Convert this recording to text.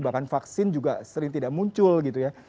bahkan vaksin juga sering tidak muncul gitu ya